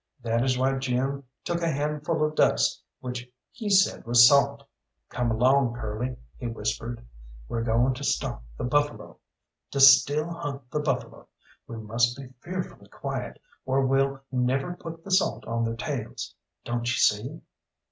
That is why Jim took a handful of dust which he said was salt. "Come along, Curly," he whispered, "we're going to stalk the buffalo; to still hunt the buffalo; we must be fearfully quiet, or we'll never put the salt on their tails. Don't you see?"